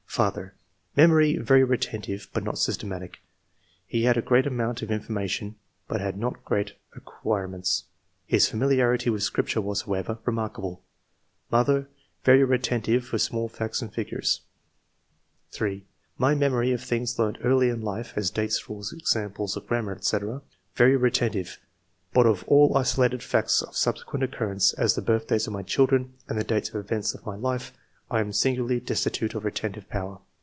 ^^ Father — Memory very retentive, but not systematic. He had a great amoimt of in formation, but had not great acquirements ; his familiarity with Scripture was, however, re markable. Mother — ^Very retentive for small facts and figures." 112 ENGLISH MEN OF SCIENCE. [chap. 3. " My memory of things learnt early in life (as dates, rules, examples of grammar, &c.) very retentive, but of all isolated facts of subsequent occurrence, as the birthdays of my children, and the dates of events of my own life, I am singularly destitute of retentive power.